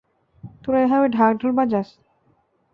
তোরা এভাবে ঢাকঢোল বাজাস?